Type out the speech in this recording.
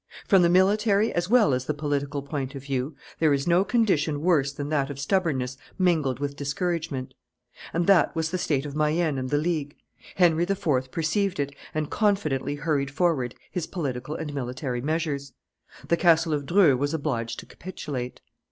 From the military as well as the political point of view, there is no condition worse than that of stubbornness mingled with discouragement. And that was the state of Mayenne and the League. Henry IV. perceived it, and confidently hurried forward his political and military measures. The castle of Dreux was obliged to capitulate.